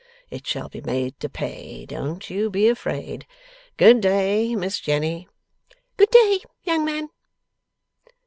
It shall be made to pay; don't you be afraid. Good day, Miss Jenny.' 'Good day, young man.